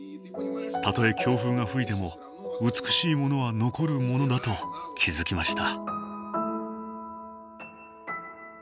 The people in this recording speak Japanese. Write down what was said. たとえ強風が吹いても美しいものは残るものだと気付きました。